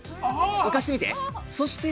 浮かしてみて。